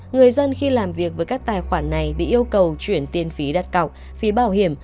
người dân khi làm việc với các tài khoản này bị yêu cầu chuyển tiền phí đặt cọc phí bảo hiểm